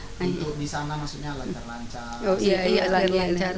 untuk di sana maksudnya lancar lancar